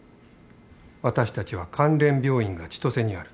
私たちは関連病院が千歳にある。